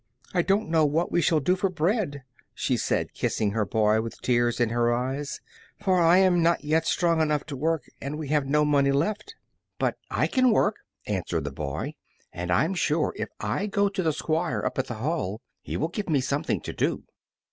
"I don't know what we shall do for bread," she said, kissing her boy with tears in her eyes, "for I am not yet strong enough to work, and we have no money left." "But I can work," answered the boy; "and I'm sure if I go to the Squire up at the Hall he will give me something to do."